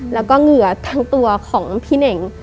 แล้วก็เหงื่อทั้งตัวของพี่เน่ง